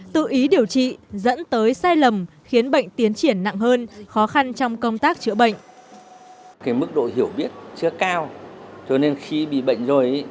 tự ý điều trị dẫn tới sai lầm khiến bệnh tiến triển nặng hơn khó khăn trong công tác chữa bệnh